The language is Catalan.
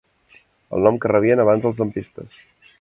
El nom que rebien abans els lampistes.